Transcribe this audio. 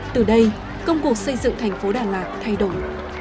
từ đây công cuộc xây dựng thành phố đà lạt thay đổi